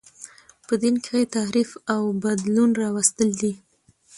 په دین کښي تحریف او بدلون راوستل دي.